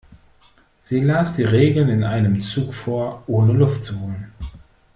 Sie las die Regeln in einem Zug vor, ohne Luft zu holen.